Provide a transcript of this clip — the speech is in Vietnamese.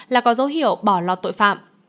là có dấu hiệu bỏ lọt tội phạm